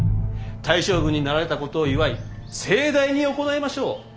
大将軍になられたことを祝い盛大に行いましょう。